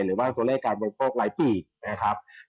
หรือว่าตัวเลขการบริโภคหลายปีนะครับ